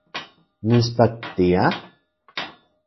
¿Mitspaktia?